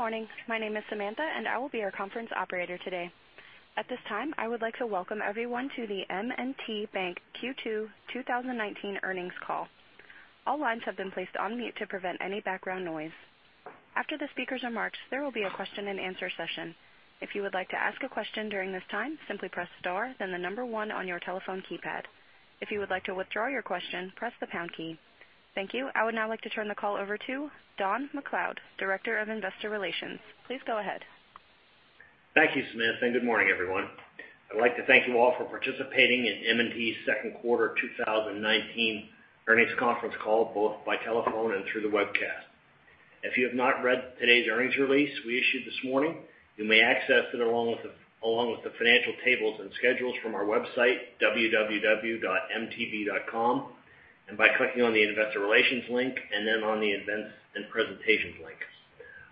Good morning. My name is Samantha, and I will be your conference operator today. At this time, I would like to welcome everyone to the M&T Bank Q2 2019 earnings call. All lines have been placed on mute to prevent any background noise. After the speakers' remarks, there will be a question and answer session. If you would like to ask a question during this time, simply press star then 1 on your telephone keypad. If you would like to withdraw your question, press the pound key. Thank you. I would now like to turn the call over to Don MacLeod, Director of Investor Relations. Please go ahead. Thank you, Samantha, good morning, everyone. I'd like to thank you all for participating in M&T's second quarter 2019 earnings conference call, both by telephone and through the webcast. If you have not read today's earnings release we issued this morning, you may access it along with the financial tables and schedules from our website, mtb.com, by clicking on the investor relations link and on the events and presentations links.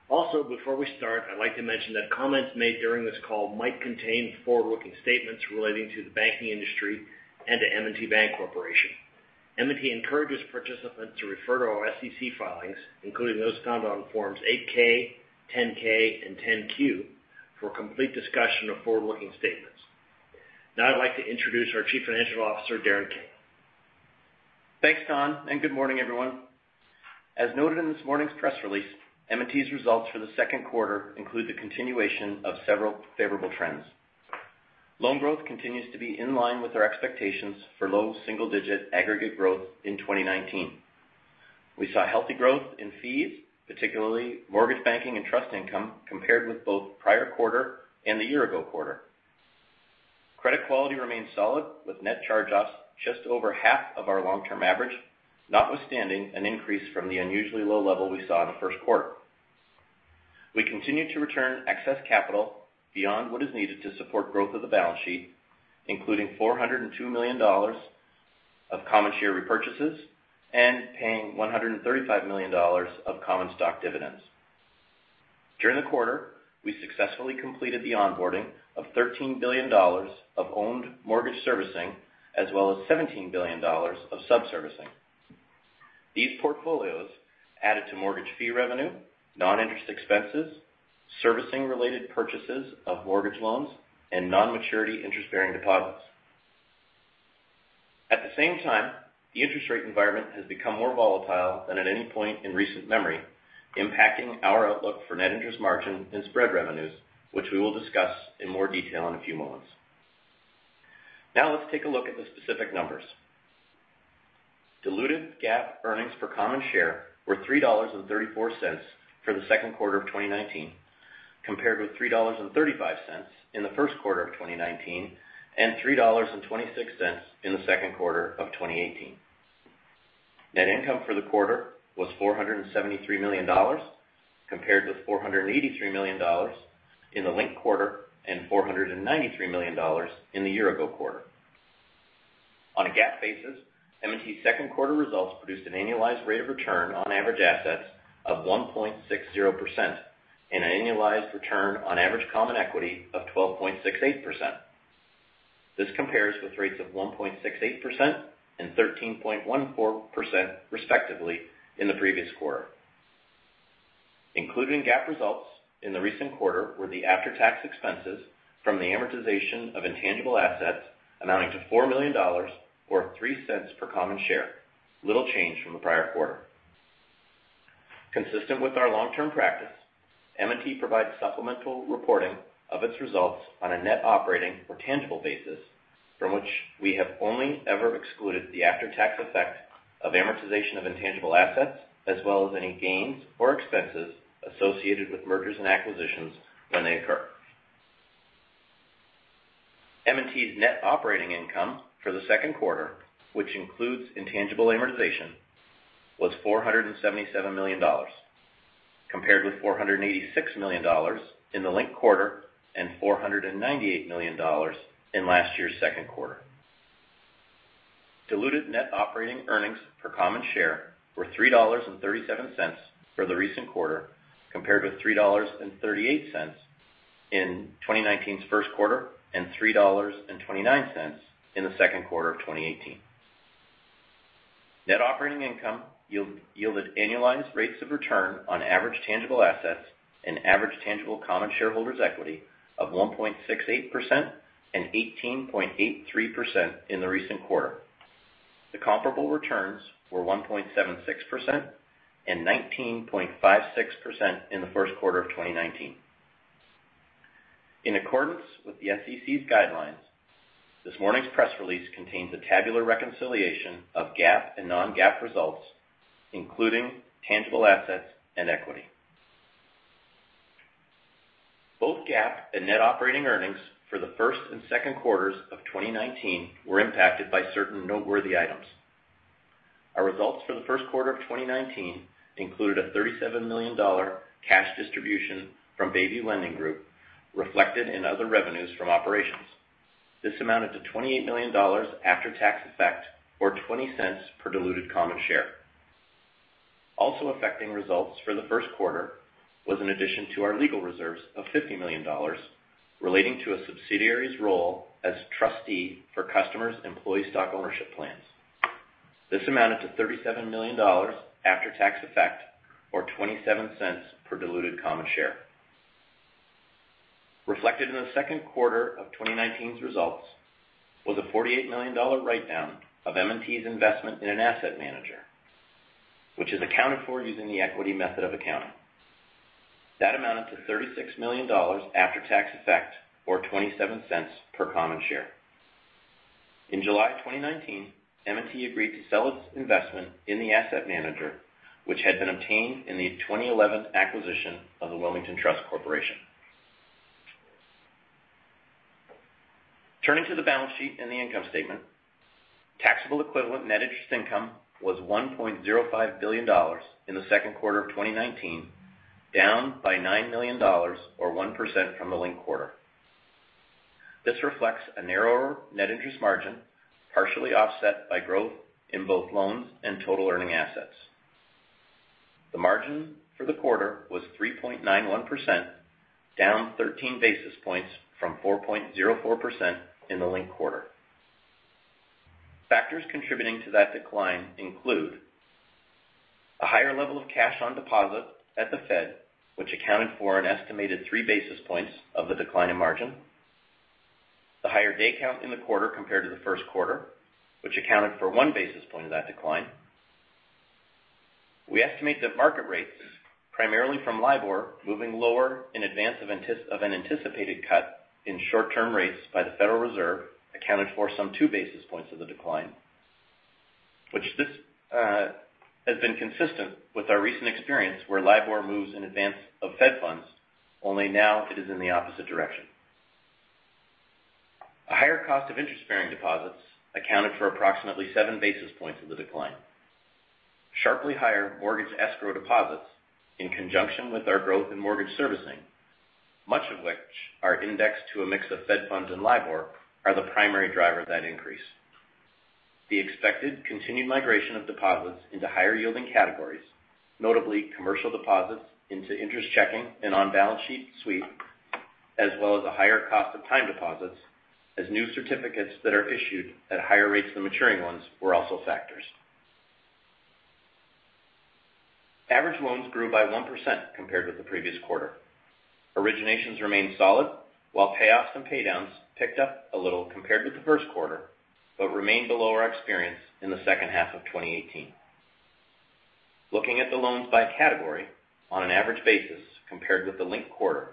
Before we start, I'd like to mention that comments made during this call might contain forward-looking statements relating to the banking industry and to M&T Bank Corporation. M&T encourages participants to refer to our SEC filings, including those found on forms 8-K, 10-K, and 10-Q, for a complete discussion of forward-looking statements. I'd like to introduce our Chief Financial Officer, Darren King. Thanks, Don, good morning, everyone. As noted in this morning's press release, M&T's results for the second quarter include the continuation of several favorable trends. Loan growth continues to be in line with our expectations for low single digit aggregate growth in 2019. We saw healthy growth in fees, particularly mortgage banking and trust income, compared with both prior quarter and the year ago quarter. Credit quality remains solid, with net charge-offs just over half of our long-term average, notwithstanding an increase from the unusually low level we saw in the first quarter. We continue to return excess capital beyond what is needed to support growth of the balance sheet, including $402 million of common share repurchases and paying $135 million of common stock dividends. During the quarter, we successfully completed the onboarding of $13 billion of owned mortgage servicing, as well as $17 billion of sub-servicing. These portfolios added to mortgage fee revenue, non-interest expenses, servicing related purchases of mortgage loans, and non-maturity interest-bearing deposits. At the same time, the interest rate environment has become more volatile than at any point in recent memory, impacting our outlook for net interest margin and spread revenues, which we will discuss in more detail in a few moments. Let's take a look at the specific numbers. Diluted GAAP earnings per common share were $3.34 for the second quarter of 2019, compared with $3.35 in the first quarter of 2019 and $3.26 in the second quarter of 2018. Net income for the quarter was $473 million, compared with $483 million in the linked quarter and $493 million in the year ago quarter. On a GAAP basis, M&T's second quarter results produced an annualized rate of return on average assets of 1.60% and an annualized return on average common equity of 12.68%. This compares with rates of 1.68% and 13.14%, respectively, in the previous quarter. Included in GAAP results in the recent quarter were the after-tax expenses from the amortization of intangible assets amounting to $4 million, or $0.03 per common share, little change from the prior quarter. Consistent with our long-term practice, M&T provides supplemental reporting of its results on a net operating or tangible basis from which we have only ever excluded the after-tax effect of amortization of intangible assets, as well as any gains or expenses associated with mergers and acquisitions when they occur. M&T's net operating income for the second quarter, which includes intangible amortization, was $477 million, compared with $486 million in the linked quarter and $498 million in last year's second quarter. Diluted net operating earnings per common share were $3.37 for the recent quarter, compared with $3.38 in 2019's first quarter and $3.29 in the second quarter of 2018. Net operating income yielded annualized rates of return on average tangible assets, an average tangible common shareholders equity of 1.68% and 18.83% in the recent quarter. The comparable returns were 1.76% and 19.56% in the first quarter of 2019. In accordance with the SEC's guidelines, this morning's press release contains a tabular reconciliation of GAAP and non-GAAP results, including tangible assets and equity. Both GAAP and net operating earnings for the first and second quarters of 2019 were impacted by certain noteworthy items. Our results for the first quarter of 2019 included a $37 million cash distribution from Bayview Lending Group reflected in other revenues from operations. This amounted to $28 million after-tax effect, or $0.20 per diluted common share. Also affecting results for the first quarter was an addition to our legal reserves of $50 million relating to a subsidiary's role as trustee for customers' employee stock ownership plans. This amounted to $37 million after-tax effect or $0.27 per diluted common share. Reflected in the second quarter of 2019's results was a $48 million write-down of M&T's investment in an asset manager, which is accounted for using the equity method of accounting. That amounted to $36 million after-tax effect or $0.27 per common share. In July 2019, M&T agreed to sell its investment in the asset manager, which had been obtained in the 2011 acquisition of the Wilmington Trust Corporation. Turning to the balance sheet and the income statement. Taxable equivalent net interest income was $1.05 billion in the second quarter of 2019, down by $9 million or 1% from the linked quarter. This reflects a narrower net interest margin, partially offset by growth in both loans and total earning assets. The margin for the quarter was 3.91%, down 13 basis points from 4.04% in the linked quarter. Factors contributing to that decline include a higher level of cash on deposit at the Fed, which accounted for an estimated three basis points of the decline in margin. The higher day count in the quarter compared to the first quarter, which accounted for one basis point of that decline. We estimate that market rates, primarily from LIBOR, moving lower in advance of an anticipated cut in short-term rates by the Federal Reserve accounted for some two basis points of the decline. This has been consistent with our recent experience where LIBOR moves in advance of Fed funds, only now it is in the opposite direction. A higher cost of interest-bearing deposits accounted for approximately seven basis points of the decline. Sharply higher mortgage escrow deposits in conjunction with our growth in mortgage servicing, much of which are indexed to a mix of Fed funds and LIBOR, are the primary driver of that increase. The expected continued migration of deposits into higher yielding categories, notably commercial deposits into interest checking and on-balance sheet sweep, as well as a higher cost of time deposits as new certificates that are issued at higher rates than maturing ones, were also factors. Average loans grew by 1% compared with the previous quarter. Originations remained solid, while payoffs and paydowns picked up a little compared with the first quarter, but remained below our experience in the second half of 2018. Looking at the loans by category on an average basis compared with the linked quarter,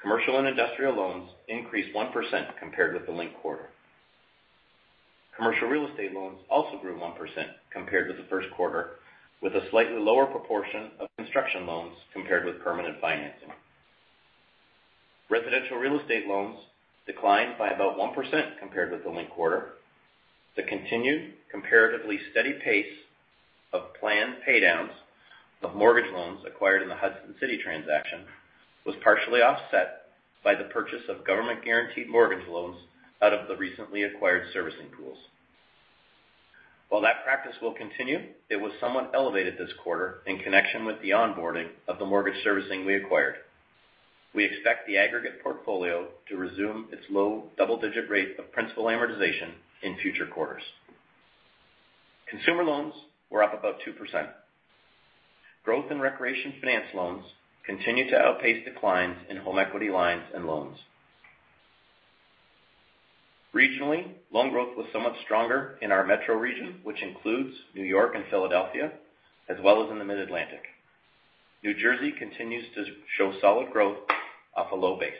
commercial and industrial loans increased 1% compared with the linked quarter. Commercial real estate loans also grew 1% compared with the first quarter, with a slightly lower proportion of construction loans compared with permanent financing. Residential real estate loans declined by about 1% compared with the linked quarter. The continued comparatively steady pace of planned paydowns of mortgage loans acquired in the Hudson City transaction was partially offset by the purchase of government-guaranteed mortgage loans out of the recently acquired servicing pools. While that practice will continue, it was somewhat elevated this quarter in connection with the onboarding of the mortgage servicing we acquired. We expect the aggregate portfolio to resume its low double-digit rate of principal amortization in future quarters. Consumer loans were up about 2%. Growth in recreation finance loans continued to outpace declines in home equity lines and loans. Regionally, loan growth was somewhat stronger in our metro region, which includes New York and Philadelphia, as well as in the Mid-Atlantic. New Jersey continues to show solid growth off a low base.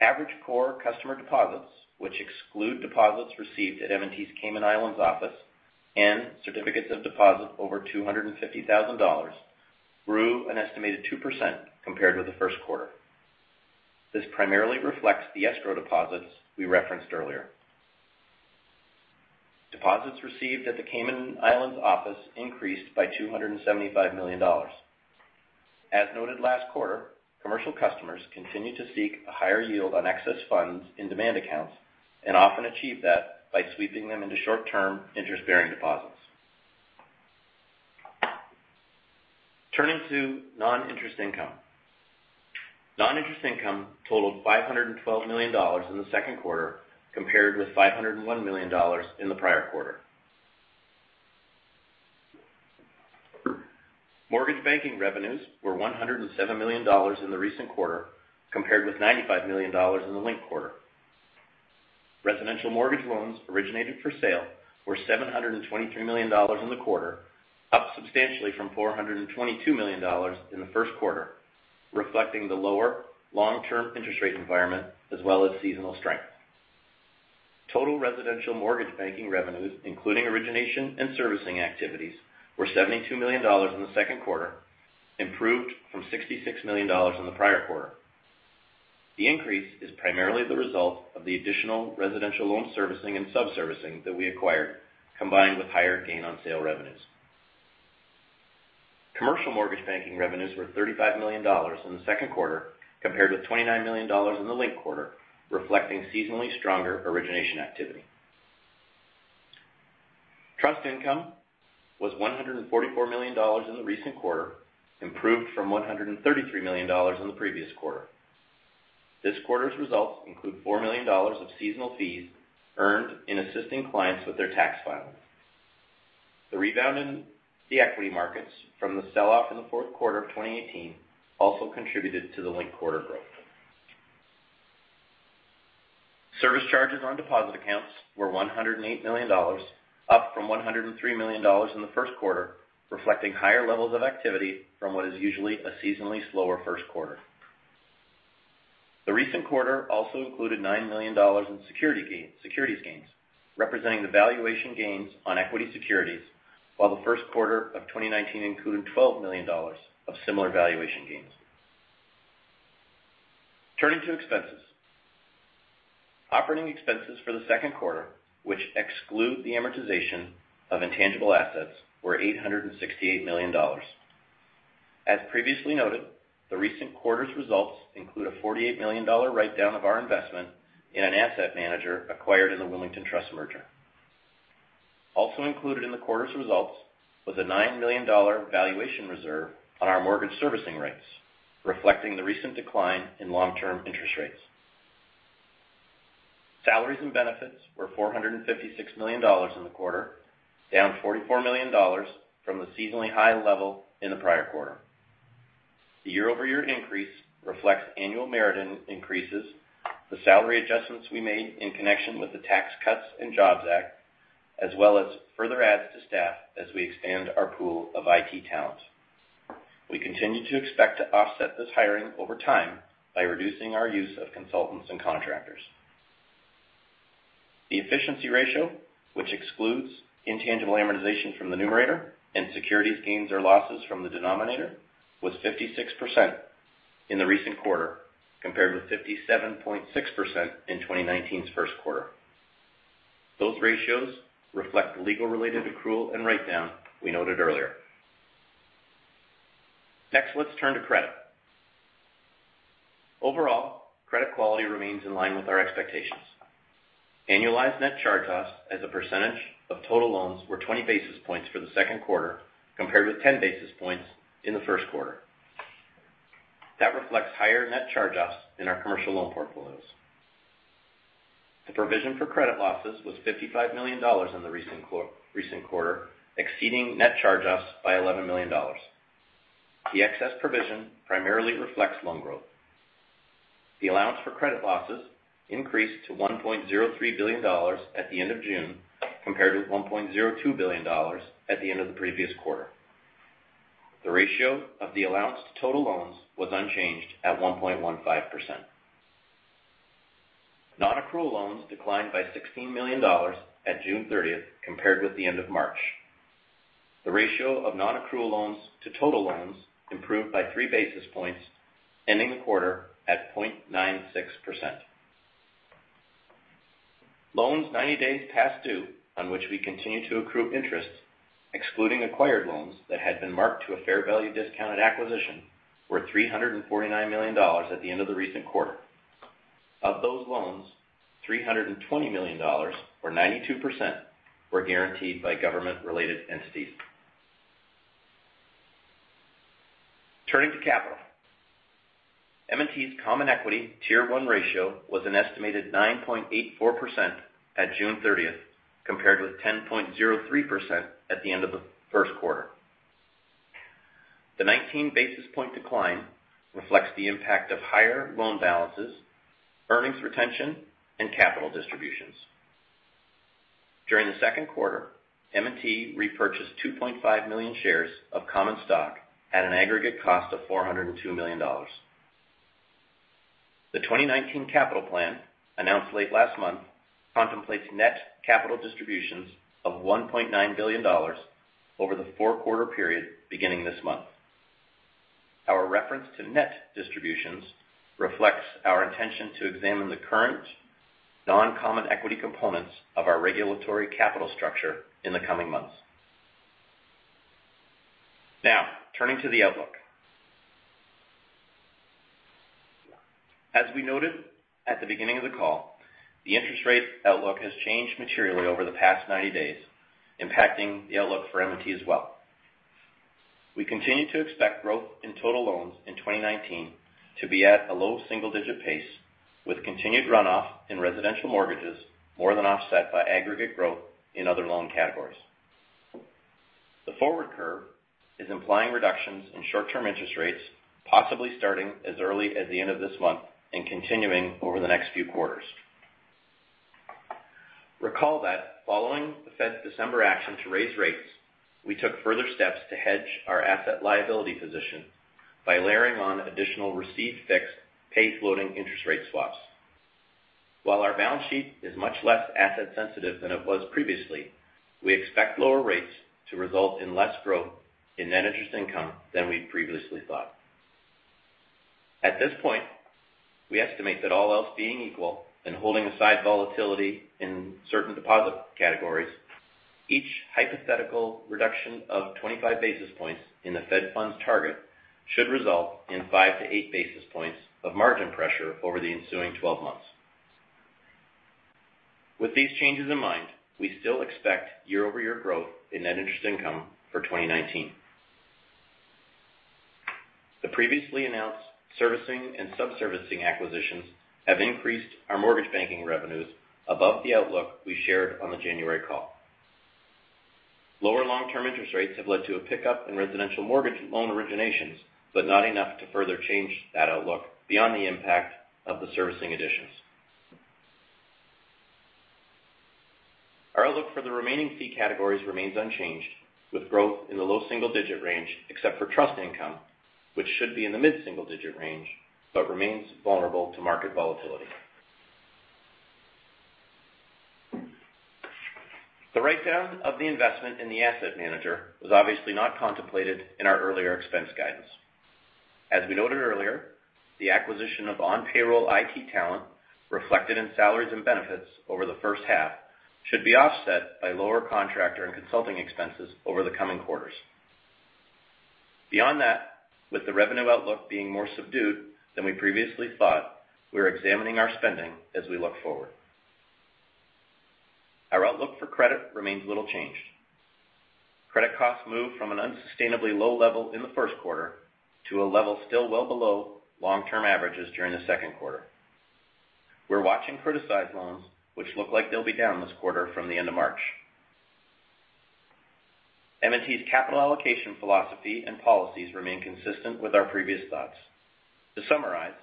Average core customer deposits, which exclude deposits received at M&T's Cayman Islands office and certificates of deposit over $250,000, grew an estimated 2% compared with the first quarter. This primarily reflects the escrow deposits we referenced earlier. Deposits received at the Cayman Islands office increased by $275 million. As noted last quarter, commercial customers continued to seek a higher yield on excess funds in demand accounts and often achieve that by sweeping them into short-term interest-bearing deposits. Turning to non-interest income. Non-interest income totaled $512 million in the second quarter, compared with $501 million in the prior quarter. Mortgage banking revenues were $107 million in the recent quarter, compared with $95 million in the linked quarter. Residential mortgage loans originated for sale were $723 million in the quarter, up substantially from $422 million in the first quarter, reflecting the lower long-term interest rate environment as well as seasonal strength. Total residential mortgage banking revenues, including origination and servicing activities, were $72 million in the second quarter, improved from $66 million in the prior quarter. The increase is primarily the result of the additional residential loan servicing and sub-servicing that we acquired, combined with higher gain on sale revenues. Commercial mortgage banking revenues were $35 million in the second quarter, compared with $29 million in the linked quarter, reflecting seasonally stronger origination activity. Trust income was $144 million in the recent quarter, improved from $133 million in the previous quarter. This quarter's results include $4 million of seasonal fees earned in assisting clients with their tax filings. The rebound in the equity markets from the sell-off in the fourth quarter of 2018 also contributed to the linked quarter growth. Service charges on deposit accounts were $108 million, up from $103 million in the first quarter, reflecting higher levels of activity from what is usually a seasonally slower first quarter. The recent quarter also included $9 million in securities gains, representing the valuation gains on equity securities, while the first quarter of 2019 included $12 million of similar valuation gains. Turning to expenses. Operating expenses for the second quarter, which exclude the amortization of intangible assets, were $868 million. As previously noted, the recent quarter's results include a $48 million write-down of our investment in an asset manager acquired in the Wilmington Trust merger. Also included in the quarter's results was a $9 million valuation reserve on our mortgage servicing rates, reflecting the recent decline in long-term interest rates. Salaries and benefits were $456 million in the quarter, down $44 million from the seasonally high level in the prior quarter. The year-over-year increase reflects annual merit increases, the salary adjustments we made in connection with the Tax Cuts and Jobs Act, as well as further adds to staff as we expand our pool of IT talent. We continue to expect to offset this hiring over time by reducing our use of consultants and contractors. The efficiency ratio, which excludes intangible amortization from the numerator and securities gains or losses from the denominator, was 56% in the recent quarter, compared with 57.6% in 2019's first quarter. Both ratios reflect the legal-related accrual and write-down we noted earlier. Next, let's turn to credit. Overall, credit quality remains in line with our expectations. Annualized net charge-offs as a percentage of total loans were 20 basis points for the second quarter, compared with 10 basis points in the first quarter. That reflects higher net charge-offs in our commercial loan portfolios. The provision for credit losses was $55 million in the recent quarter, exceeding net charge-offs by $11 million. The excess provision primarily reflects loan growth. The allowance for credit losses increased to $1.03 billion at the end of June, compared with $1.02 billion at the end of the previous quarter. The ratio of the allowance to total loans was unchanged at 1.15%. Non-accrual loans declined by $16 million at June 30th compared with the end of March. The ratio of non-accrual loans to total loans improved by three basis points, ending the quarter at 0.96%. Loans 90 days past due, on which we continue to accrue interest, excluding acquired loans that had been marked to a fair value discount at acquisition, were $349 million at the end of the recent quarter. Of those loans, $320 million, or 92%, were guaranteed by government-related entities. Turning to capital. M&T's common equity Tier 1 ratio was an estimated 9.84% at June 30th, compared with 10.03% at the end of the first quarter. The 19 basis point decline reflects the impact of higher loan balances, earnings retention, and capital distributions. During the second quarter, M&T repurchased 2.5 million shares of common stock at an aggregate cost of $402 million. The 2019 capital plan, announced late last month, contemplates net capital distributions of $1.9 billion over the fourth-quarter period beginning this month. Our reference to net distributions reflects our intention to examine the current non-common equity components of our regulatory capital structure in the coming months. Now, turning to the outlook. As we noted at the beginning of the call, the interest rate outlook has changed materially over the past 90 days, impacting the outlook for M&T as well. We continue to expect growth in total loans in 2019 to be at a low single-digit pace, with continued runoff in residential mortgages more than offset by aggregate growth in other loan categories. The forward curve is implying reductions in short-term interest rates, possibly starting as early as the end of this month and continuing over the next few quarters. Recall that following the Fed's December action to raise rates, we took further steps to hedge our asset liability position by layering on additional received fixed pay floating interest rate swaps. While our balance sheet is much less asset sensitive than it was previously, we expect lower rates to result in less growth in net interest income than we'd previously thought. At this point, we estimate that all else being equal, and holding aside volatility in certain deposit categories, each hypothetical reduction of 25 basis points in the Fed funds target should result in 5-8 basis points of margin pressure over the ensuing 12 months. With these changes in mind, we still expect year-over-year growth in net interest income for 2019. The previously announced servicing and sub-servicing acquisitions have increased our mortgage banking revenues above the outlook we shared on the January call. Lower long-term interest rates have led to a pickup in residential mortgage loan originations, but not enough to further change that outlook beyond the impact of the servicing additions. Our outlook for the remaining fee categories remains unchanged, with growth in the low single-digit range, except for trust income, which should be in the mid-single digit range but remains vulnerable to market volatility. The write-down of the investment in the asset manager was obviously not contemplated in our earlier expense guidance. As we noted earlier, the acquisition of on-payroll IT talent reflected in salaries and benefits over the first half should be offset by lower contractor and consulting expenses over the coming quarters. With the revenue outlook being more subdued than we previously thought, we are examining our spending as we look forward. Our outlook for credit remains little changed. Credit costs moved from an unsustainably low level in the first quarter to a level still well below long-term averages during the second quarter. We're watching criticized loans, which look like they'll be down this quarter from the end of March. M&T's capital allocation philosophy and policies remain consistent with our previous thoughts. To summarize,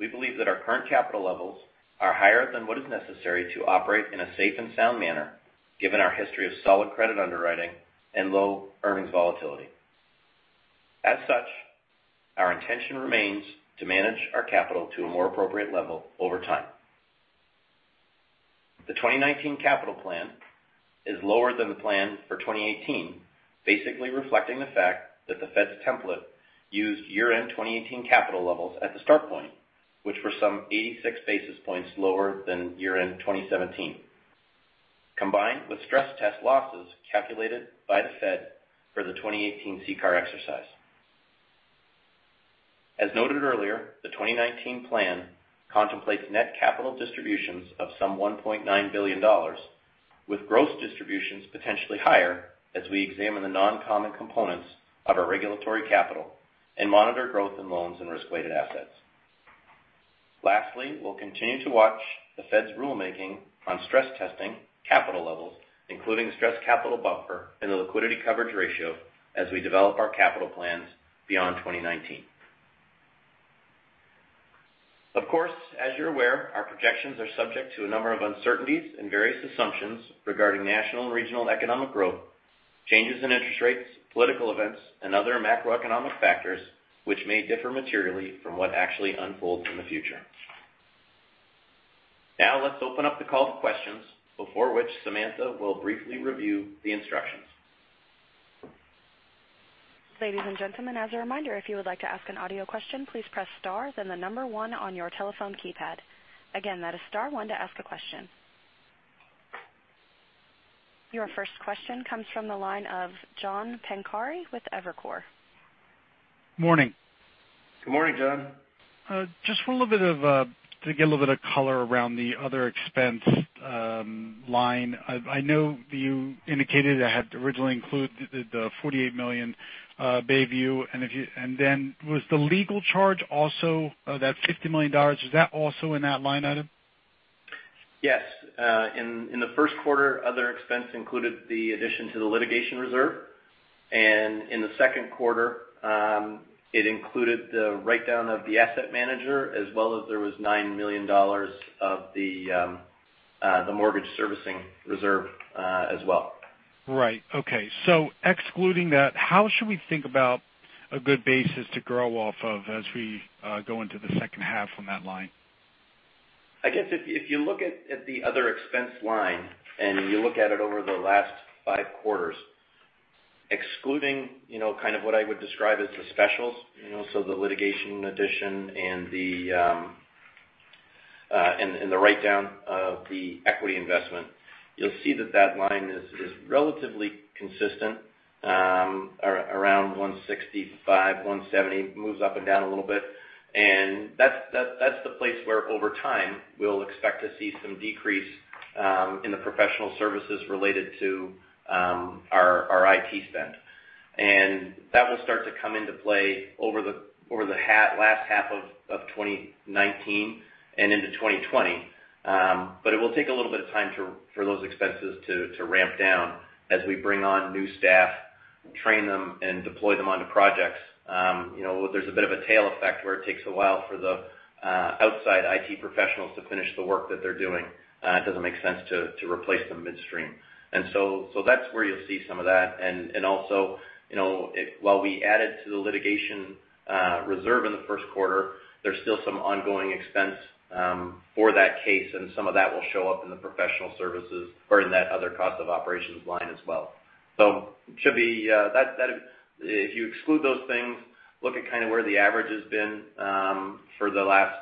we believe that our current capital levels are higher than what is necessary to operate in a safe and sound manner, given our history of solid credit underwriting and low earnings volatility. As such, our intention remains to manage our capital to a more appropriate level over time. The 2019 capital plan is lower than the plan for 2018, basically reflecting the fact that the Fed's template used year-end 2018 capital levels as the start point, which were some 86 basis points lower than year-end 2017, combined with stress test losses calculated by the Fed for the 2018 CCAR exercise. As noted earlier, the 2019 plan contemplates net capital distributions of some $1.9 billion, with gross distributions potentially higher as we examine the non-common components of our regulatory capital and monitor growth in loans and risk-weighted assets. Lastly, we'll continue to watch the Fed's rulemaking on stress testing capital levels, including stress capital buffer and the liquidity coverage ratio as we develop our capital plans beyond 2019. Of course, as you're aware, our projections are subject to a number of uncertainties and various assumptions regarding national and regional economic growth, changes in interest rates, political events, and other macroeconomic factors which may differ materially from what actually unfolds in the future. Let's open up the call to questions, before which Samantha will briefly review the instructions. Ladies and gentlemen, as a reminder, if you would like to ask an audio question, please press star then the number 1 on your telephone keypad. Again, that is star one to ask a question. Your first question comes from the line of John Pancari with Evercore. Morning. Good morning, John. Just to get a little bit of color around the other expense line. I know that you indicated that it had originally included the $48 million Bayview. Was the legal charge, that $50 million, is that also in that line item? Yes. In the first quarter, other expense included the addition to the litigation reserve, and in the second quarter, it included the write-down of the asset manager as well as there was $9 million of the mortgage servicing reserve as well. Right. Okay. Excluding that, how should we think about a good basis to grow off of as we go into the second half on that line? I guess if you look at the other expense line and you look at it over the last five quarters, excluding kind of what I would describe as the specials, so the litigation addition and the write-down of the equity investment, you'll see that that line is relatively consistent, around $165, $170. Moves up and down a little bit. That's the place where over time we'll expect to see some decrease in the professional services related to our IT spend. That will start to come into play over the last half of 2019 and into 2020. It will take a little bit of time for those expenses to ramp down as we bring on new staff, train them, and deploy them onto projects. There's a bit of a tail effect where it takes a while for the outside IT professionals to finish the work that they're doing. It doesn't make sense to replace them midstream. That's where you'll see some of that. Also, while we added to the litigation reserve in the first quarter, there's still some ongoing expense for that case, and some of that will show up in the professional services or in that other cost of operations line as well. If you exclude those things, look at kind of where the average has been for the last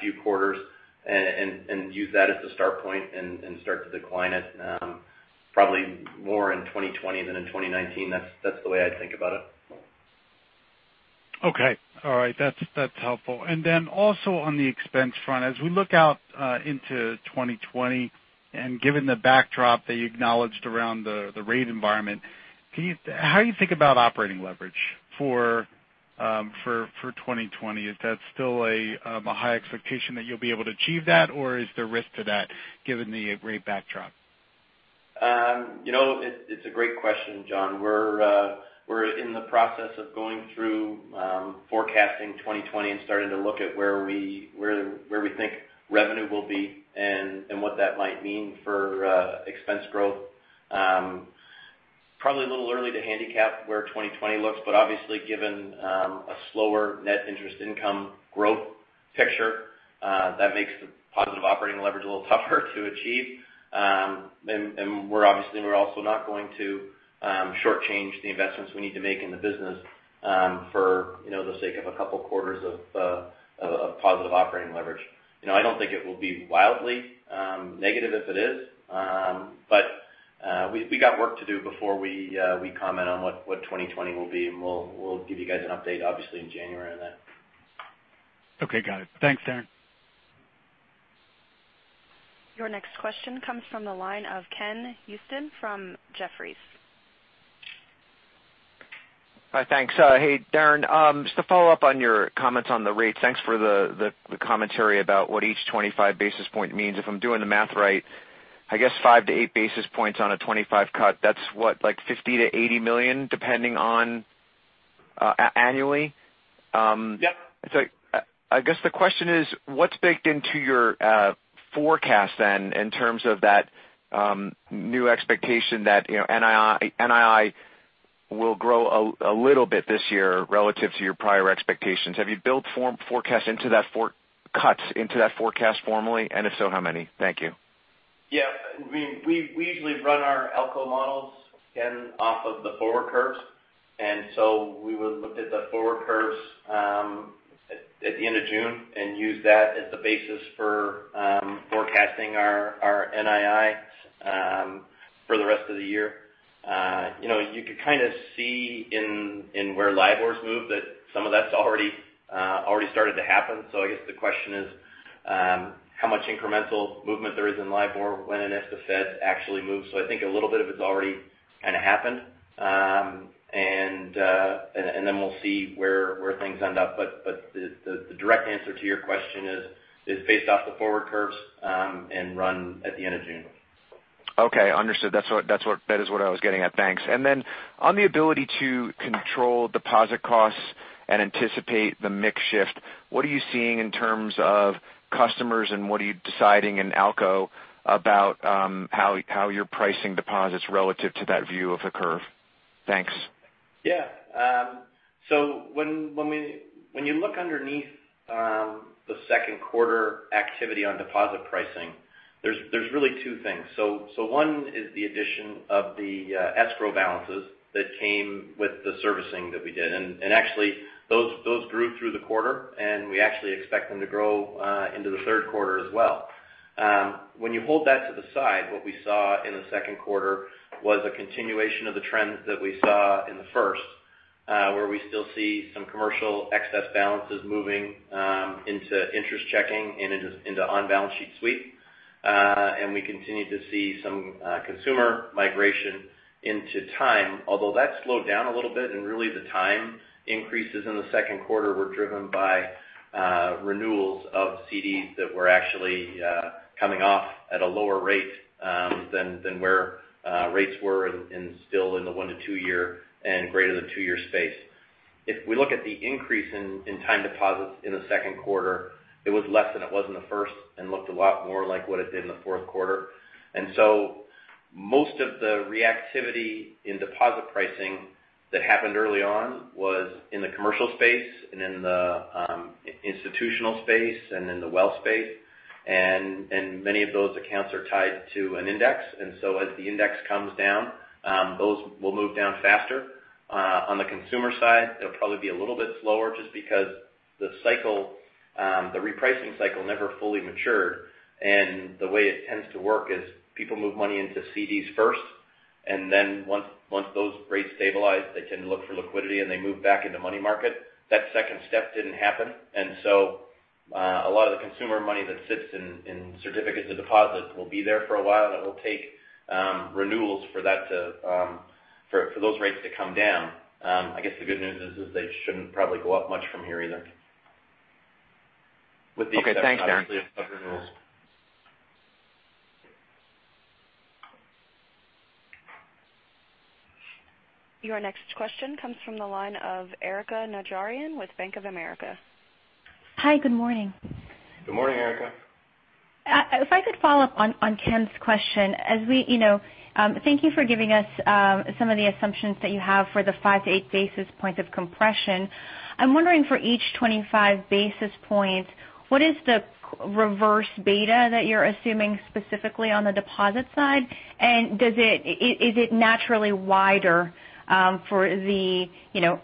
few quarters and use that as the start point and start to decline it probably more in 2020 than in 2019. That's the way I'd think about it. Okay. All right. That's helpful. Also on the expense front, as we look out into 2020, given the backdrop that you acknowledged around the rate environment, how do you think about operating leverage for 2020? Is that still a high expectation that you'll be able to achieve that, or is there risk to that given the rate backdrop? It's a great question, John. We're in the process of going through forecasting 2020 and starting to look at where we think revenue will be and what that might mean for expense growth. Probably a little early to handicap where 2020 looks, obviously, given a slower net interest income growth picture, that makes the positive operating leverage a little tougher to achieve. We're obviously also not going to shortchange the investments we need to make in the business for the sake of a couple of quarters of positive operating leverage. I don't think it will be wildly negative if it is. We got work to do before we comment on what 2020 will be, and we'll give you guys an update, obviously, in January on that. Okay, got it. Thanks, Darren. Your next question comes from the line of Ken Usdin from Jefferies. Hi, thanks. Hey, Darren. Just to follow up on your comments on the rates, thanks for the commentary about what each 25 basis point means. If I'm doing the math right, I guess 5-8 basis points on a 25 cut. That's what? Like $50 million-$80 million depending on annually? Yep. I guess the question is, what's baked into your forecast then, in terms of that new expectation that NII will grow a little bit this year relative to your prior expectations. Have you built forecasts into that for cuts into that forecast formally? If so, how many? Thank you. Yeah. We usually run our ALCO models, Ken, off of the forward curves. We would look at the forward curves at the end of June and use that as the basis for forecasting our NII for the rest of the year. You could kind of see in where LIBORs moved that some of that's already started to happen. I guess the question is how much incremental movement there is in LIBOR when and as the Fed actually moves. I think a little bit of it's already kind of happened. Then we'll see where things end up. The direct answer to your question is based off the forward curves and run at the end of June. Okay, understood. That is what I was getting at. Thanks. On the ability to control deposit costs and anticipate the mix shift, what are you seeing in terms of customers, and what are you deciding in ALCO about how you're pricing deposits relative to that view of the curve? Thanks. Yeah. When you look underneath the second quarter activity on deposit pricing, there's really two things. One is the addition of the escrow balances that came with the servicing that we did. Actually, those grew through the quarter, and we actually expect them to grow into the third quarter as well. When you hold that to the side, what we saw in the second quarter was a continuation of the trend that we saw in the first, where we still see some commercial excess balances moving into interest checking and into on-balance sheet sweep. We continue to see some consumer migration into time, although that slowed down a little bit, and really the time increases in the second quarter were driven by renewals of CDs that were actually coming off at a lower rate than where rates were and still in the one to two year and greater than two year space. If we look at the increase in time deposits in the second quarter, it was less than it was in the first and looked a lot more like what it did in the fourth quarter. Most of the reactivity in deposit pricing that happened early on was in the commercial space and in the institutional space and in the wealth space. Many of those accounts are tied to an index. As the index comes down, those will move down faster. On the consumer side, they'll probably be a little bit slower just because the repricing cycle never fully matured. The way it tends to work is people move money into CDs first, and then once those rates stabilize, they tend to look for liquidity, and they move back into money market. That second step didn't happen. A lot of the consumer money that sits in certificates of deposit will be there for a while, and it will take renewals for those rates to come down. I guess the good news is they shouldn't probably go up much from here either. Okay. Thanks, Darren. With the exception, obviously, of- Your next question comes from the line of Erika Najarian with Bank of America. Hi, good morning. Good morning, Erika. If I could follow up on Ken's question. Thank you for giving us some of the assumptions that you have for the 5-8 basis points of compression. I'm wondering for each 25 basis points, what is the reverse beta that you're assuming specifically on the deposit side? Is it naturally wider for the,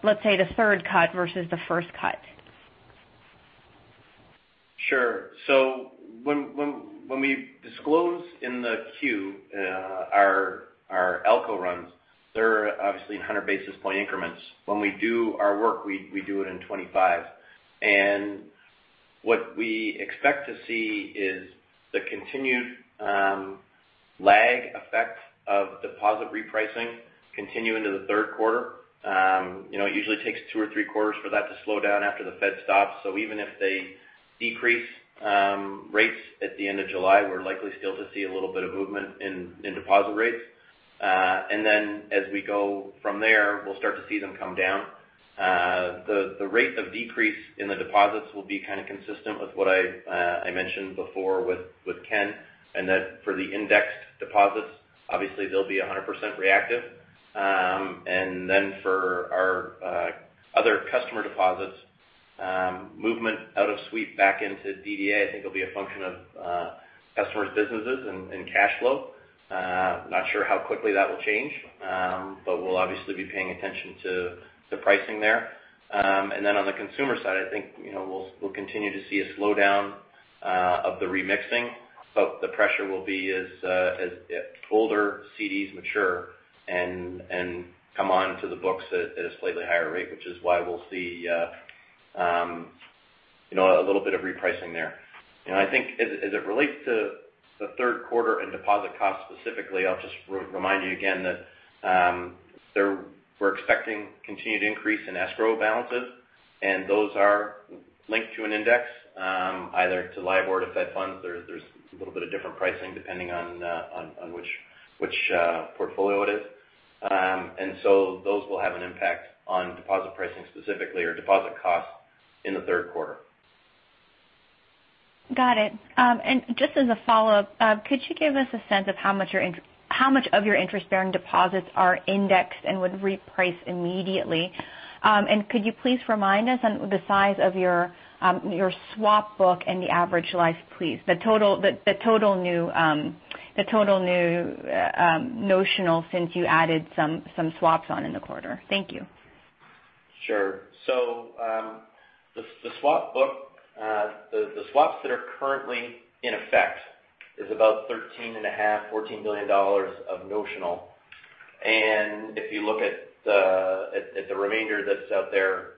let's say the third cut versus the first cut? Sure. When we disclose in the Q our ALCO runs, they're obviously in 100 basis point increments. When we do our work, we do it in 25. What we expect to see is the continued lag effect of deposit repricing continue into the third quarter. It usually takes two or three quarters for that to slow down after the Fed stops. Even if they decrease rates at the end of July, we're likely still to see a little bit of movement in deposit rates. Then as we go from there, we'll start to see them come down. The rate of decrease in the deposits will be kind of consistent with what I mentioned before with Ken, and that for the indexed deposits, obviously they'll be 100% reactive. For our other customer deposits, movement out of sweep back into DDA, I think, will be a function of customers' businesses and Cash Flow. Not sure how quickly that will change. We'll obviously be paying attention to the pricing there. Then on the consumer side, I think we'll continue to see a slowdown of the remixing, but the pressure will be as older CDs mature and come onto the books at a slightly higher rate, which is why we'll see a little bit of repricing there. I think as it relates to the third quarter and deposit costs specifically, I'll just remind you again that we're expecting continued increase in escrow balances, and those are linked to an index, either to LIBOR or to Fed funds. There's a little bit of different pricing depending on which portfolio it is. Those will have an impact on deposit pricing specifically, or deposit costs in the third quarter. Got it. Just as a follow-up, could you give us a sense of how much of your interest-bearing deposits are indexed and would reprice immediately? Could you please remind us on the size of your swap book and the average life, please? The total new notional since you added some swaps on in the quarter. Thank you. Sure. The swap book, the swaps that are currently in effect is about $13.5 billion, $14 billion of notional. If you look at the remainder that's out there,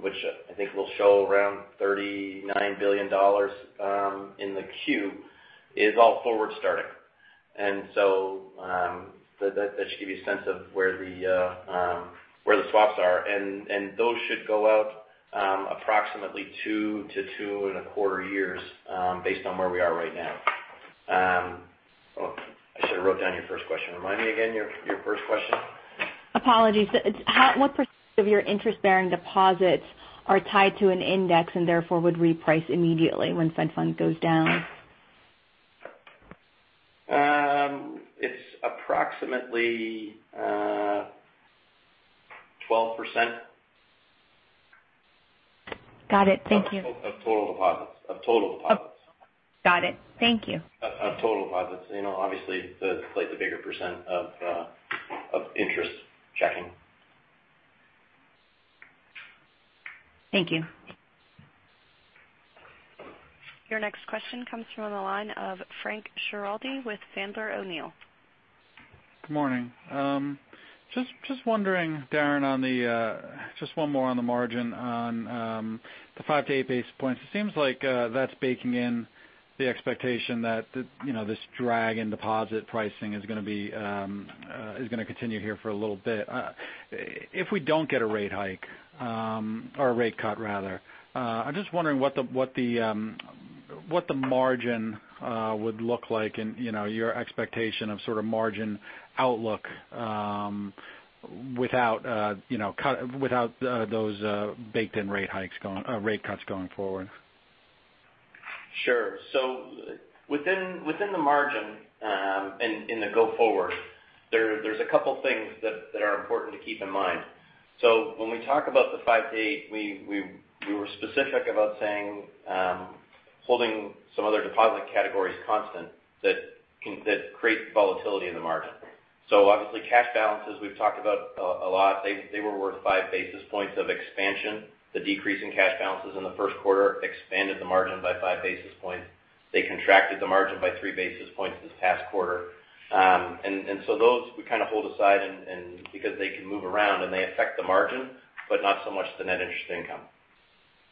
which I think will show around $39 billion in the Q, is all forward starting. That should give you a sense of where the swaps are. Those should go out approximately 2-2 and a quarter years, based on where we are right now. I should have wrote down your first question. Remind me again, your first question. Apologies. What % of your interest-bearing deposits are tied to an index and therefore would reprice immediately when Fed fund goes down? It's approximately 12%. Got it. Thank you. Of total deposits. Got it. Thank you. Of total deposits. Obviously, the bigger % of interest checking. Thank you. Your next question comes from the line of Frank Schiraldi with Sandler O'Neill. Good morning. Just wondering, Darren, just one more on the margin on the 5-8 basis points. It seems like that's baking in the expectation that this drag in deposit pricing is going to continue here for a little bit. If we don't get a rate hike, or a rate cut rather, I'm just wondering what the margin would look like and your expectation of sort of margin outlook without those baked-in rate cuts going forward. Sure. Within the margin, in the go forward, there's a couple things that are important to keep in mind. When we talk about the 5-8, we were specific about saying holding some other deposit categories constant that create volatility in the margin. Obviously, cash balances, we've talked about a lot. They were worth 5 basis points of expansion. The decrease in cash balances in the first quarter expanded the margin by 5 basis points. They contracted the margin by 3 basis points this past quarter. Those we kind of hold aside because they can move around and they affect the margin, but not so much the net interest income.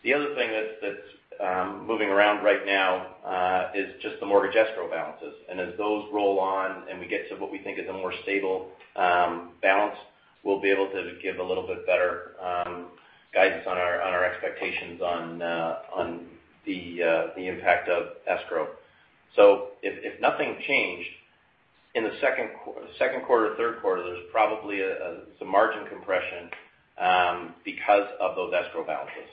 The other thing that's moving around right now is just the mortgage escrow balances. As those roll on and we get to what we think is a more stable balance, we'll be able to give a little bit better guidance on our expectations on the impact of escrow. If nothing changed in the second quarter, third quarter, there's probably some margin compression because of those escrow balances.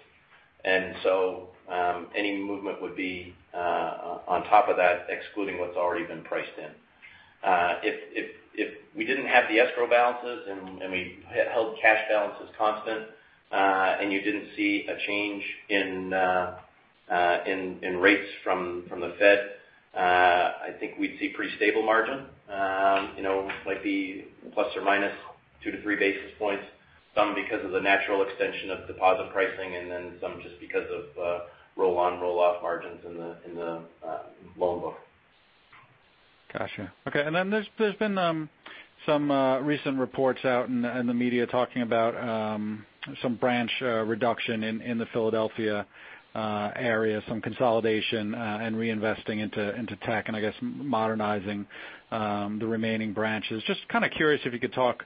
Any movement would be on top of that, excluding what's already been priced in. If we didn't have the escrow balances and we held cash balances constant, and you didn't see a change in rates from the Fed, I think we'd see pretty stable margin. Might be ±2-3 basis points, some because of the natural extension of deposit pricing, and then some just because of roll-on roll-off margins in the loan book. Got you. There's been some recent reports out in the media talking about some branch reduction in the Philadelphia area, some consolidation and reinvesting into tech, and I guess modernizing the remaining branches. Just kind of curious if you could talk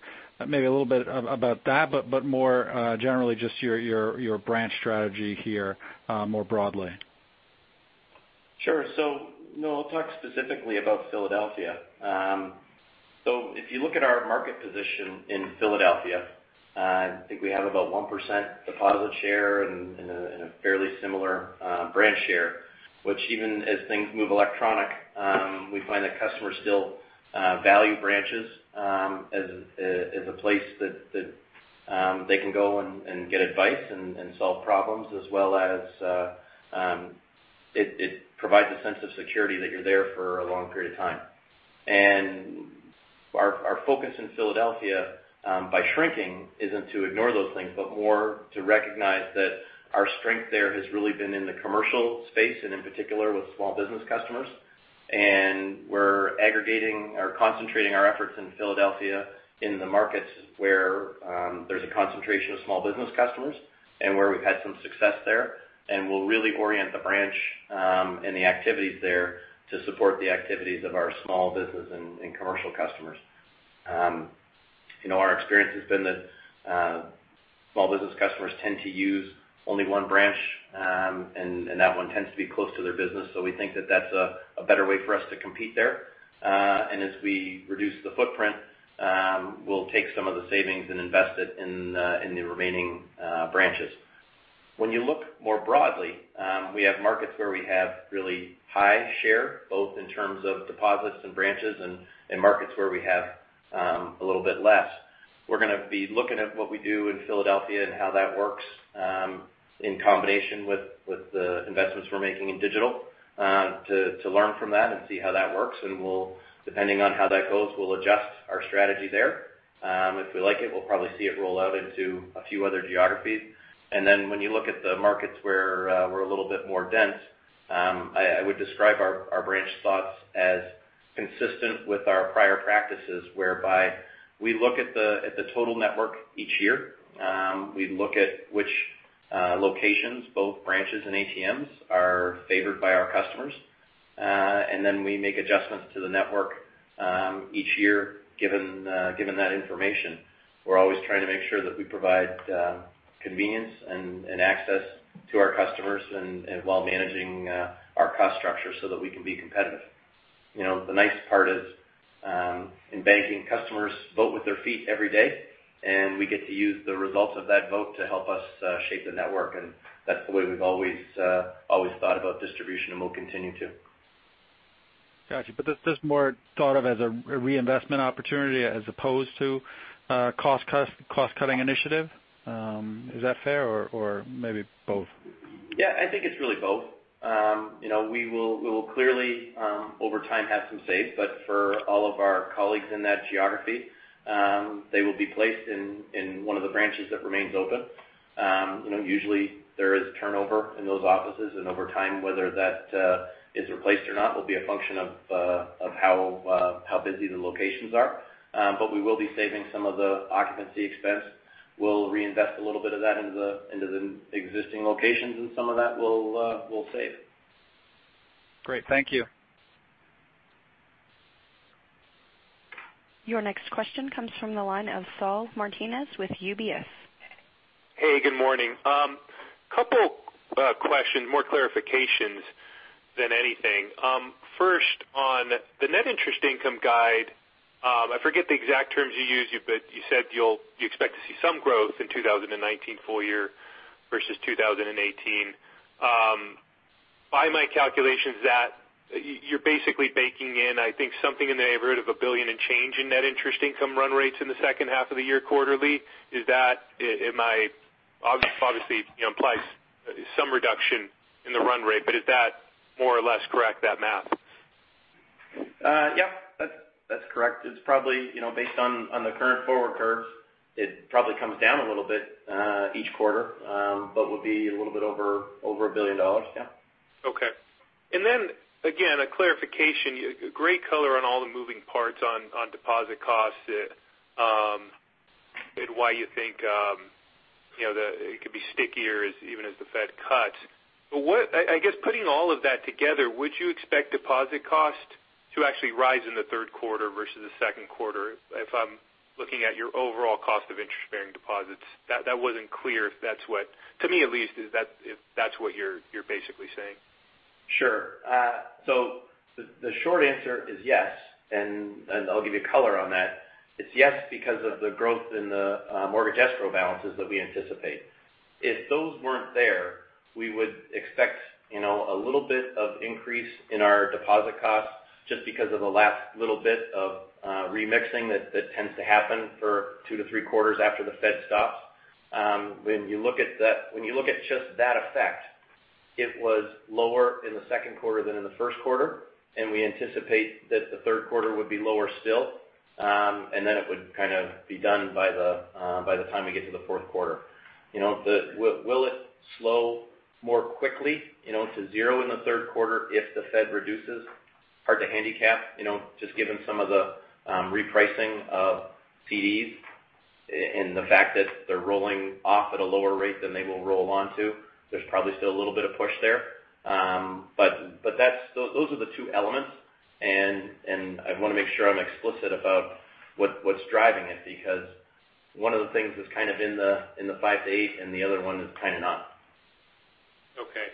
maybe a little bit about that, but more generally, just your branch strategy here more broadly. Sure. No, I'll talk specifically about Philadelphia. If you look at our market position in Philadelphia, I think we have about 1% deposit share and a fairly similar branch share. Which even as things move electronic, we find that customers still value branches as a place that they can go and get advice and solve problems as well as it provides a sense of security that you're there for a long period of time. Our focus in Philadelphia, by shrinking, isn't to ignore those things, but more to recognize that our strength there has really been in the commercial space, and in particular with small business customers. We're aggregating or concentrating our efforts in Philadelphia in the markets where there's a concentration of small business customers and where we've had some success there. We'll really orient the branch and the activities there to support the activities of our small business and commercial customers. Our experience has been that small business customers tend to use only one branch, and that one tends to be close to their business. We think that that's a better way for us to compete there. As we reduce the footprint, we'll take some of the savings and invest it in the remaining branches. You look more broadly, we have markets where we have really high share, both in terms of deposits and branches, and markets where we have a little bit less. We're going to be looking at what we do in Philadelphia and how that works in combination with the investments we're making in digital to learn from that and see how that works. Depending on how that goes, we'll adjust our strategy there. If we like it, we'll probably see it roll out into a few other geographies. Then when you look at the markets where we're a little bit more dense, I would describe our branch thoughts as consistent with our prior practices, whereby we look at the total network each year. We look at which locations, both branches and ATMs, are favored by our customers. Then we make adjustments to the network each year given that information. We're always trying to make sure that we provide convenience and access to our customers and while managing our cost structure so that we can be competitive. The nice part is, in banking, customers vote with their feet every day. We get to use the results of that vote to help us shape the network, and that's the way we've always thought about distribution and will continue to. Got you. This is more thought of as a reinvestment opportunity as opposed to a cost-cutting initiative. Is that fair, or maybe both? Yeah, I think it's really both. We will clearly, over time, have some save. For all of our colleagues in that geography, they will be placed in one of the branches that remains open. Usually, there is turnover in those offices. Over time, whether that is replaced or not will be a function of how busy the locations are. We will be saving some of the occupancy expense. We'll reinvest a little bit of that into the existing locations, and some of that we'll save. Great. Thank you. Your next question comes from the line of Saul Martinez with UBS. Hey, good morning. Couple questions, more clarifications than anything. First, on the net interest income guide, I forget the exact terms you used, but you said you expect to see some growth in 2019 full year versus 2018. By my calculations, you're basically baking in, I think, something in the neighborhood of a billion and change in net interest income run rates in the second half of the year quarterly. Obviously, it implies some reduction in the run rate, is that more or less correct, that math? Yeah. That's correct. Based on the current forward curves, it probably comes down a little bit each quarter but would be a little bit over $1 billion. Yeah. Okay. Again, a clarification. Great color on all the moving parts on deposit costs and why you think it could be stickier even as the Fed cuts. I guess putting all of that together, would you expect deposit cost to actually rise in the third quarter versus the second quarter if I'm looking at your overall cost of interest-bearing deposits? That wasn't clear to me at least if that's what you're basically saying. Sure. The short answer is yes, and I'll give you color on that. It's yes because of the growth in the mortgage escrow balances that we anticipate. If those weren't there, we would expect a little bit of increase in our deposit costs just because of the last little bit of remixing that tends to happen for two to three quarters after the Fed stops. When you look at just that effect, it was lower in the second quarter than in the first quarter, and we anticipate that the third quarter would be lower still, and then it would kind of be done by the time we get to the fourth quarter. Will it slow more quickly to zero in the third quarter if the Fed reduces? Hard to handicap, just given some of the repricing of CDs and the fact that they're rolling off at a lower rate than they will roll on to. There's probably still a little bit of push there. Those are the two elements, and I want to make sure I'm explicit about what's driving it, because one of the things is kind of in the five-eight, and the other one is kind of not. Okay.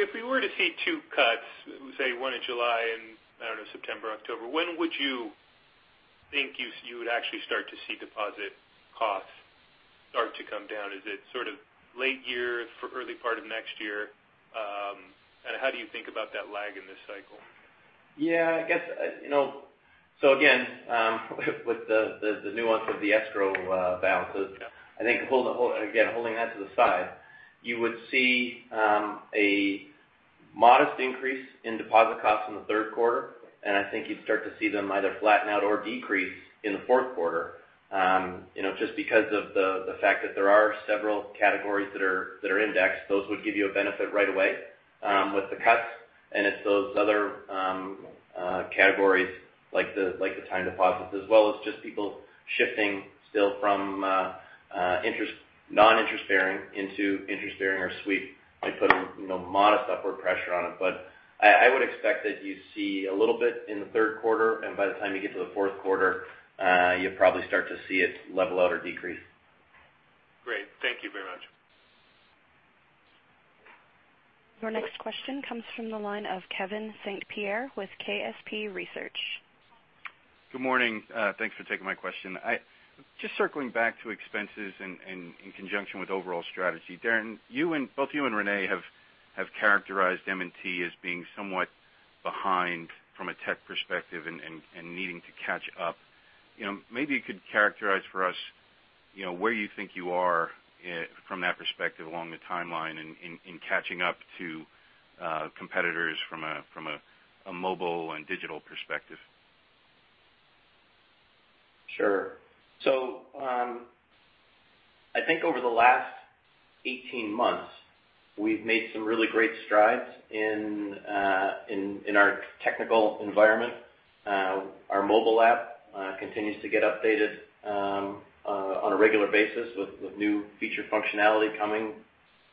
If we were to see two cuts, say one in July and, I don't know, September, October, when would you think you would actually start to see deposit costs start to come down? Is it sort of late year, early part of next year? How do you think about that lag in this cycle? Again, with the nuance of the escrow balances, I think, again, holding that to the side, you would see a modest increase in deposit costs in the third quarter, and I think you'd start to see them either flatten out or decrease in the fourth quarter. Because of the fact that there are several categories that are indexed, those would give you a benefit right away with the cuts, and it's those other categories like the time deposits as well as just people shifting still from non-interest bearing into interest bearing or sweep might put a modest upward pressure on it. I would expect that you'd see a little bit in the third quarter, and by the time you get to the fourth quarter, you'll probably start to see it level out or decrease. Great. Thank you very much. Your next question comes from the line of Kevin St. Pierre with KSP Research. Good morning. Thanks for taking my question. Just circling back to expenses in conjunction with overall strategy, Darren, both you and René have characterized M&T as being somewhat behind from a tech perspective and needing to catch up. Maybe you could characterize for us where you think you are from that perspective along the timeline in catching up to competitors from a mobile and digital perspective. Sure. I think over the last 18 months, we've made some really great strides in our technical environment. Our mobile app continues to get updated on a regular basis with new feature functionality coming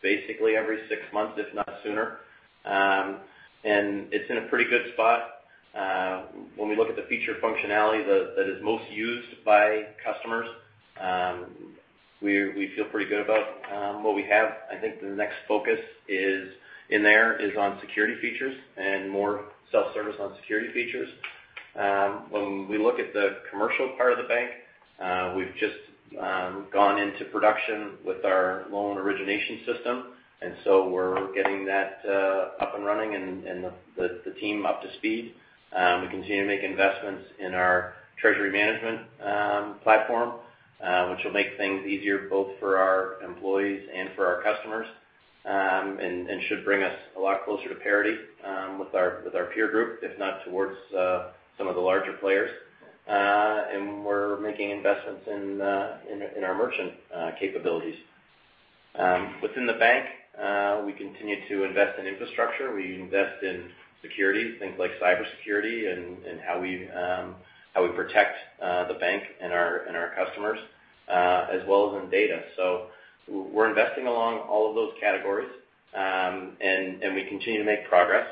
basically every 6 months, if not sooner. It's in a pretty good spot. When we look at the feature functionality that is most used by customers, we feel pretty good about what we have. I think the next focus in there is on security features and more self-service on security features. When we look at the commercial part of the bank, we've just gone into production with our loan origination system, we're getting that up and running and the team up to speed. We continue to make investments in our treasury management platform, which will make things easier both for our employees and for our customers, should bring us a lot closer to parity with our peer group, if not towards some of the larger players. We're making investments in our merchant capabilities. Within the bank, we continue to invest in infrastructure. We invest in security, things like cybersecurity and how we protect the bank and our customers, as well as in data. We're investing along all of those categories, we continue to make progress.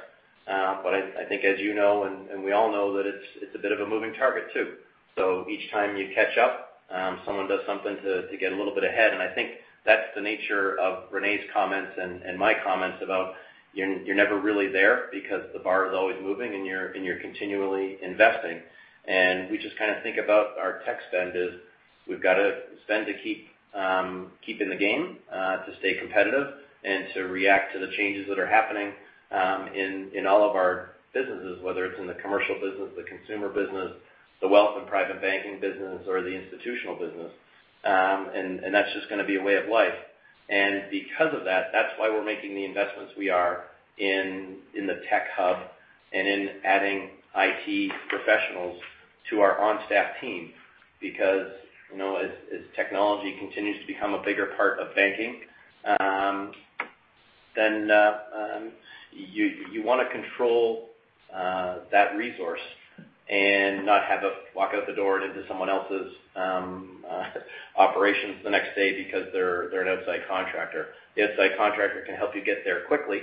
I think as you know, and we all know, that it's a bit of a moving target too. Each time you catch up, someone does something to get a little bit ahead, I think that's the nature of René's comments and my comments about you're never really there because the bar is always moving, you're continually investing. We just kind of think about our tech spend as we've got to spend to keep in the game, to stay competitive, to react to the changes that are happening in all of our businesses, whether it's in the commercial business, the consumer business, the wealth and private banking business or the institutional business. That's just going to be a way of life. Because of that's why we're making the investments we are in the tech hub and in adding IT professionals to our on-staff team. As technology continues to become a bigger part of banking, you want to control that resource and not have it walk out the door and into someone else's operations the next day because they're an outside contractor. The outside contractor can help you get there quickly,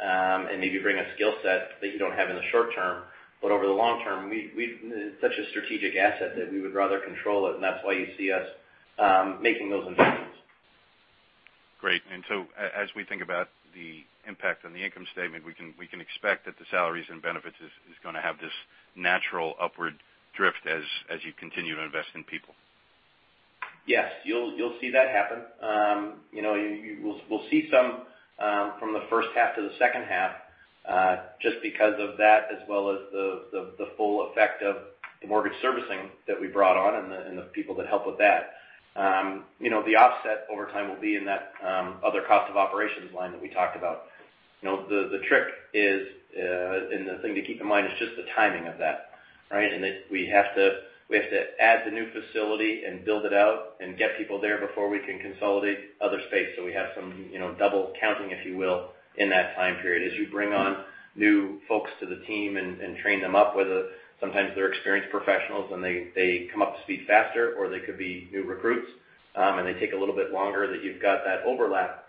and maybe bring a skill set that you don't have in the short term, but over the long term, it's such a strategic asset that we would rather control it, and that's why you see us making those investments. Great. As we think about the impact on the income statement, we can expect that the salaries and benefits is going to have this natural upward drift as you continue to invest in people. Yes. You'll see that happen. We'll see from the first half to the second half, just because of that, as well as the full effect of the mortgage servicing that we brought on and the people that help with that. The offset over time will be in that other cost of operations line that we talked about. The trick is, the thing to keep in mind is just the timing of that. Right? That we have to add the new facility and build it out and get people there before we can consolidate other space. We have some double counting, if you will, in that time period. As you bring on new folks to the team and train them up, whether sometimes they're experienced professionals and they come up to speed faster, or they could be new recruits, and they take a little bit longer that you've got that overlap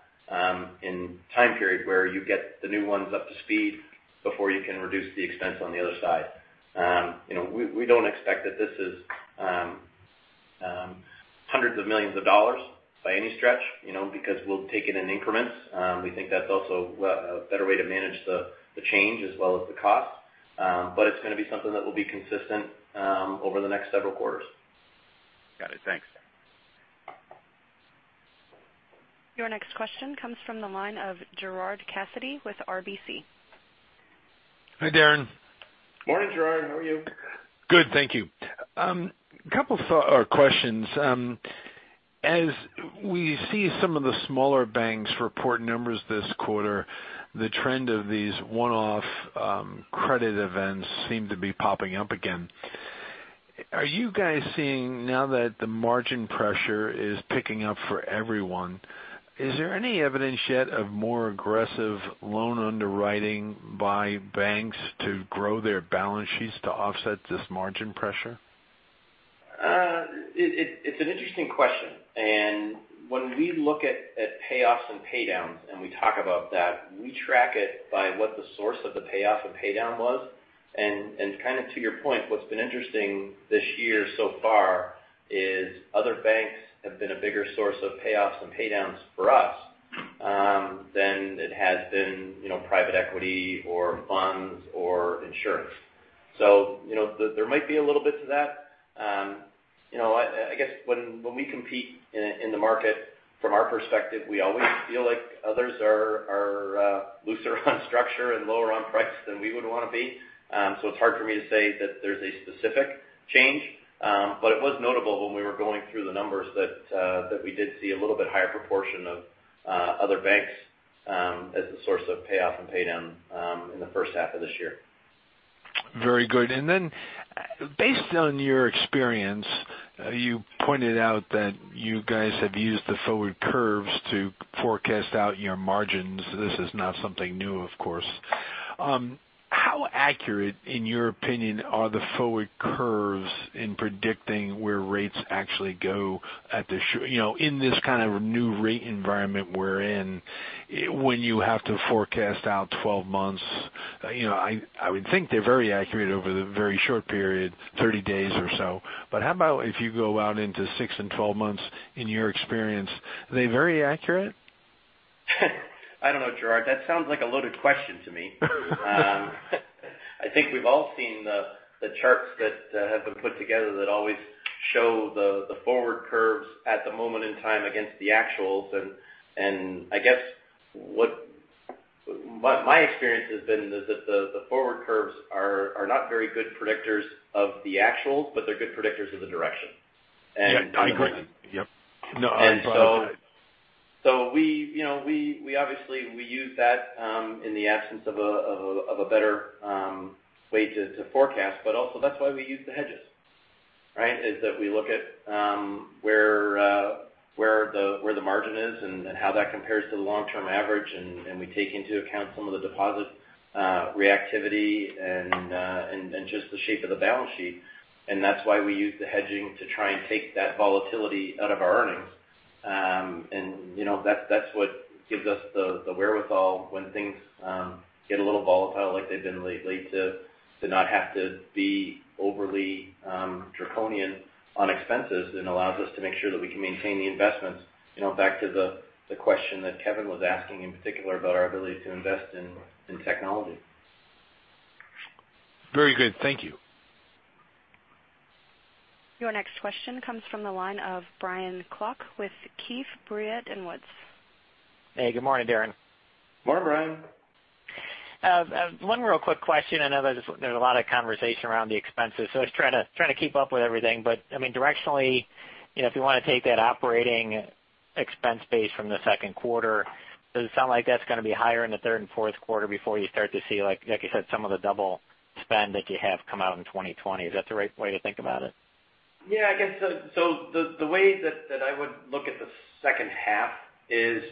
in time period where you get the new ones up to speed before you can reduce the expense on the other side. We don't expect that this is hundreds of millions of dollars by any stretch because we'll take it in increments. We think that's also a better way to manage the change as well as the cost. It's going to be something that will be consistent over the next several quarters. Got it. Thanks. Your next question comes from the line of Gerard Cassidy with RBC. Hi, Darren. Morning, Gerard. How are you? Good, thank you. Couple of questions. As we see some of the smaller banks report numbers this quarter, the trend of these one-off credit events seem to be popping up again. Are you guys seeing now that the margin pressure is picking up for everyone, is there any evidence yet of more aggressive loan underwriting by banks to grow their balance sheets to offset this margin pressure? It's an interesting question. When we look at payoffs and paydowns, and we talk about that, we track it by what the source of the payoff and paydown was. To your point, what's been interesting this year so far is other banks have been a bigger source of payoffs and paydowns for us than it has been private equity or funds or insurance. There might be a little bit to that. I guess when we compete in the market from our perspective, we always feel like others are looser on structure and lower on price than we would want to be. It's hard for me to say that there's a specific change. It was notable when we were going through the numbers that we did see a little bit higher proportion of other banks as a source of payoff and paydown in the first half of this year. Very good. Based on your experience, you pointed out that you guys have used the forward curves to forecast out your margins. This is not something new, of course. How accurate, in your opinion, are the forward curves in predicting where rates actually go in this kind of new rate environment we're in when you have to forecast out 12 months? I would think they're very accurate over the very short period, 30 days or so. How about if you go out into six and 12 months in your experience? Are they very accurate? I don't know, Gerard. That sounds like a loaded question to me. I think we've all seen the charts that have been put together that always show the forward curves at the moment in time against the actuals. I guess what my experience has been is that the forward curves are not very good predictors of the actuals, but they're good predictors of the direction. Yeah. I agree. Yep. No. We obviously use that in the absence of a better way to forecast. Also that's why we use the hedges, right? Is that we look at where the margin is and how that compares to the long-term average, and we take into account some of the deposit reactivity and just the shape of the balance sheet. That's why we use the hedging to try and take that volatility out of our earnings. That's what gives us the wherewithal when things get a little volatile like they've been lately, to not have to be overly draconian on expenses and allows us to make sure that we can maintain the investments. Back to the question that Kevin was asking in particular about our ability to invest in technology. Very good. Thank you. Your next question comes from the line of Brian Klock with Keefe, Bruyette & Woods. Hey. Good morning, Darren. Morning, Brian. One real quick question. I know there's a lot of conversation around the expenses, so I was trying to keep up with everything. Directionally, if you want to take that operating expense base from the second quarter, does it sound like that's going to be higher in the third and fourth quarter before you start to see, like you said, some of the double spend that you have come out in 2020? Is that the right way to think about it? Yeah. I guess the way that I would look at the second half is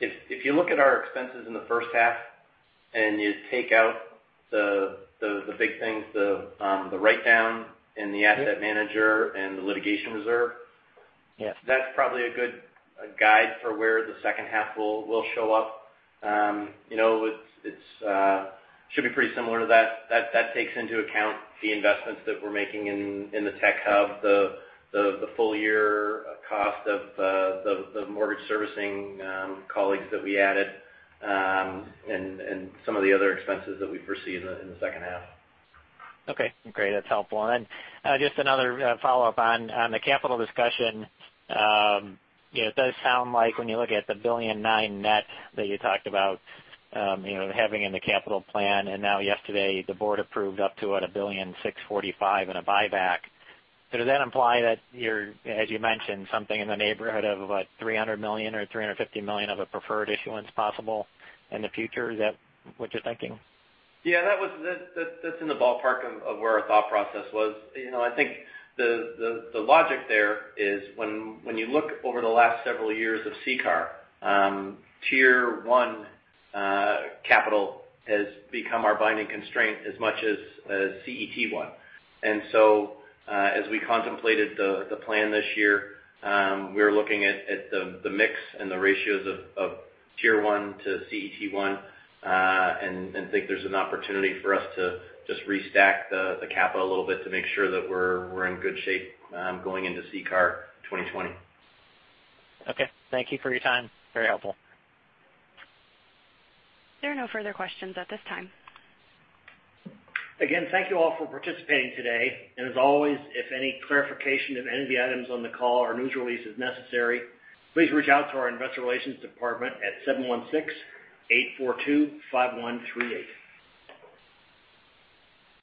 if you look at our expenses in the first half and you take out the big things, the write-down and the asset manager and the litigation reserve. Yeah That's probably a good guide for where the second half will show up. It should be pretty similar to that. That takes into account the investments that we're making in the tech hub, the full-year cost of the mortgage servicing colleagues that we added, and some of the other expenses that we foresee in the second half. Okay, great. That's helpful. Just another follow-up on the capital discussion. It does sound like when you look at the $1.9 billion net that you talked about having in the capital plan, now yesterday, the board approved up to what, a $645 million in a buyback. Does that imply that you're, as you mentioned, something in the neighborhood of about $300 million or $350 million of a preferred issuance possible in the future? Is that what you're thinking? Yeah, that's in the ballpark of where our thought process was. I think the logic there is when you look over the last several years of CCAR, Tier 1 capital has become our binding constraint as much as CET1. As we contemplated the plan this year, we were looking at the mix and the ratios of Tier 1 to CET1 and think there's an opportunity for us to just restack the capital a little bit to make sure that we're in good shape going into CCAR 2020. Okay. Thank you for your time. Very helpful. There are no further questions at this time. Again, thank you all for participating today. As always, if any clarification of any of the items on the call or news release is necessary, please reach out to our investor relations department at 716-842-5138.